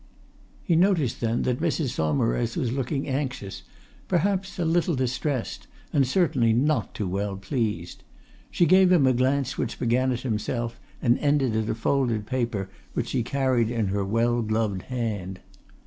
He noticed then that Mrs. Saumarez was looking anxious, perhaps a little distressed, and certainly not too well pleased. She gave him a glance which began at himself and ended at a folded paper which she carried in her well gloved hand.